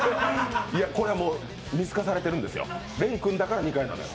これ、もう見透かされてるんですよ、廉君だから２回なのよ。